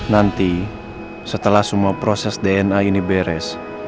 nanti setelah semua proses dna ini beres